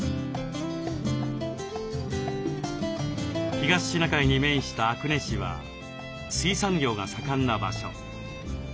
東シナ海に面した阿久根市は水産業が盛んな場所。